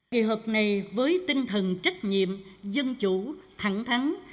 kỳ họp này với tinh thần trách nhiệm dân chủ thẳng thắng